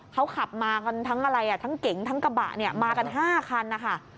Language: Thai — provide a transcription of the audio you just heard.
เขาขับมากันทั้งอะไรทั้งเก๋งทั้งกระบะเนี่ยมากัน๕คันนะคะ